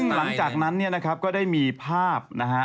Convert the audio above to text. หลังจากนั้นเนี่ยนะครับก็ได้มีภาพนะฮะ